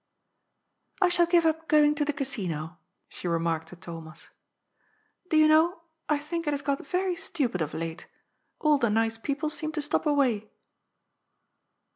^^ I shall give up going to the Casino," she remarked to Thomas. " Do you know, I think it has got very stupid of late. All the nice people seem to stop away.''